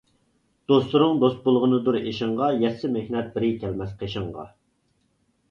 دوستلىرىڭ دوست بولغىنىدۇر ئېشىڭغا، يەتسە مېھنەت بىرى كەلمەس قېشىڭغا.